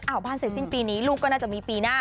บ้านเสร็จสิ้นปีนี้ลูกก็น่าจะมีปีหน้า